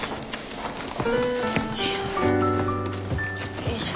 よいしょ。